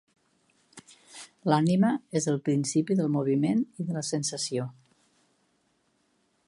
L'ànima és el principi del moviment i de la sensació.